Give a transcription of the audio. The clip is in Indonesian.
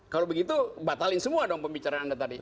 kalau begitu batalin semua dong pembicaraan anda tadi